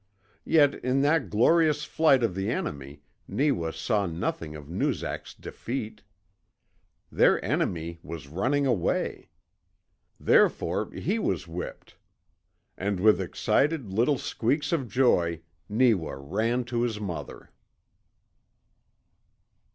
Yet in that glorious flight of the enemy Neewa saw nothing of Noozak's defeat. Their enemy was RUNNING AWAY! Therefore, he was whipped. And with excited little squeaks of joy Neewa ran to his mother.